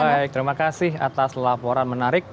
baik terima kasih atas laporan menarik